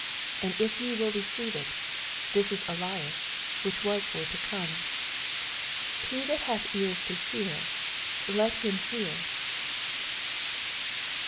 14 And if ye will receive it, this is Ellas, which was for to come. 15 He that hath ears to heMr, let him hear.